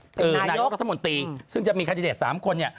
นายกว่านายกครัฐหมุนตีซึ่งจะมีคาทิเดต๓คนนี่